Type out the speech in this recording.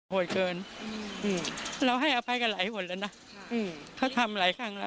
โหดเกินเราให้อภัยกันหลายครั้งเลยนะเขาธรรมหลายครั้งแลญ